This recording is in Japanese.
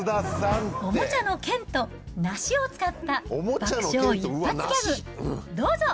おもちゃの剣と、ナシを使った爆笑一発ギャグ、どうぞ。